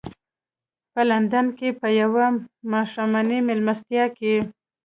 په لندن کې په یوه ماښامنۍ مېلمستیا کې.